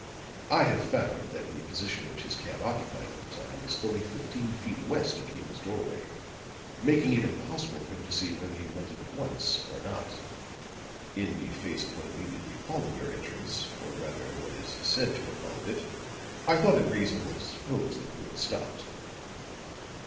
I have found that the position which his cab occupied at the time was fully fifteen feet west of Hume's doorway, making it impossible for him to see whether you went up at once, or not. In the face of what immediately followed your entrance, or rather, what is said to have followed it, I thought it reasonable to suppose that you had stopped!"